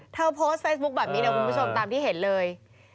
เธอโพสต์เฟซบุ๊กแบบนี้เดี๋ยวคุณผู้ชมตามที่เห็นเลย